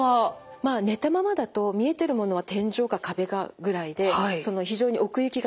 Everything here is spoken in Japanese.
まあ寝たままだと見えてるものは天井か壁かぐらいでその非常に奥行きがないんですよね。